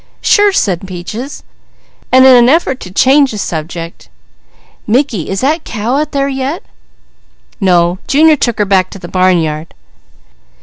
"Sure!" said Peaches, and in an effort to change the subject: "Mickey, is that cow out there yet?" "No. Junior took her back to the barnyard."